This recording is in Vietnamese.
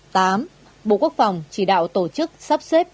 tám bộ quốc phòng chỉ đạo tổ chức sắp xếp